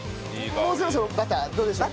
もうそろそろバターどうでしょう？